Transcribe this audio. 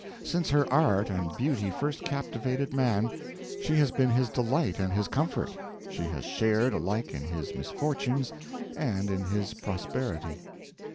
Since her art and beauty first captivated man, she has been his delight and his comfort; she has shared alike in his misfortunes and in his prosperity.